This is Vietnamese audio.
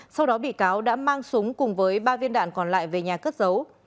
sau đó bị cáo đã mang súng cùng với ba viên đạn còn lại về nhà cất giấu